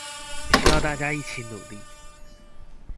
需要大家一起努力